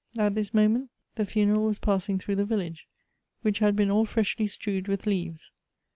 At this moment the funeral was passing through the village, which had been all freshly strewed with leaves.